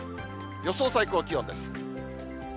予想最高気温です。